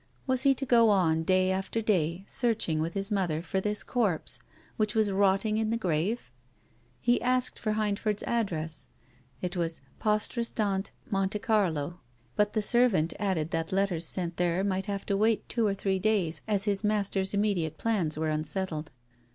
Was he to go on day after day searching with his mother for this corpse, which was rotting in the grave? He asked for Hindford's address. It was Poste Restante, Monte Carlo. But the serv ant added that letters sent there might have to wait for two or three days, as his master's imme diate plans were unsettled.